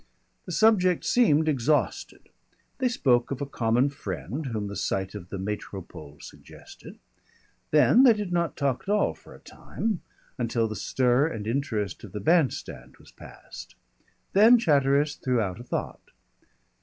The subject seemed exhausted. They spoke of a common friend whom the sight of the Métropole suggested. Then they did not talk at all for a time, until the stir and interest of the band stand was passed. Then Chatteris threw out a thought.